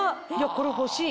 これ欲しい。